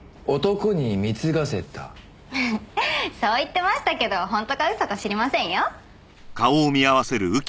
そう言ってましたけど本当か嘘か知りませんよ。